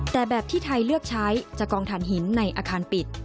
แต่แบบที่ไทยเลือกใช้จะกองฐานหินในอาคารปิด